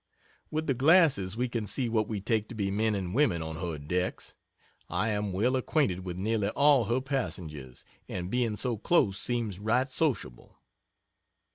With the glasses we can see what we take to be men and women on her decks. I am well acquainted with nearly all her passengers, and being so close seems right sociable.